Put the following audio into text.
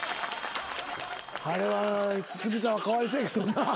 あれは堤下かわいそうやけどな。